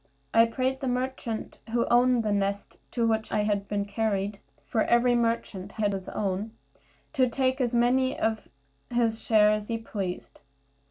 I prayed the merchant who owned the nest to which I had been carried (for every merchant had his own), to take as many for his share as he pleased.